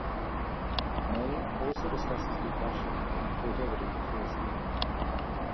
May also discusses depression and creativity towards the end.